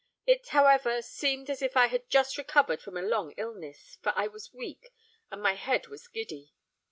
It, however, seemed as if I had just recovered from a long illness: for I was weak, and my head was giddy.